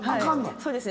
そうですね。